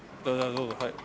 どうぞはい。